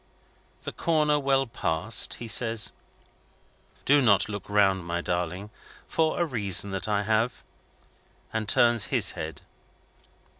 The corner well passed, he says: "Do not look round, my darling, for a reason that I have," and turns his head.